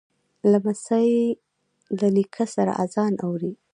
لمسی له نیکه سره آذان اوري.